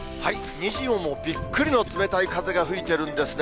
にじモもびっくりの冷たい風が吹いているんですね。